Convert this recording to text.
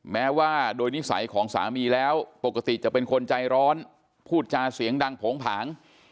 แม้ว่าโดยนิสัยของสามีแล้วปกติจะเป็นคนใจร้อนพูดจาเสียงดังโผงผาง